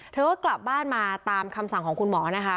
เธอก็กลับบ้านมาตามคำสั่งของคุณหมอนะคะ